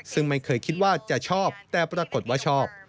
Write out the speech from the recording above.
ซึ่งไม่เคยคิดว่าจะชอบแต่ปรากฏว่าชอบ